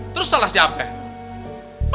terus salah siapa ya